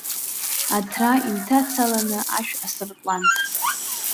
Аҭра инҭацаланы ашә асыркуан.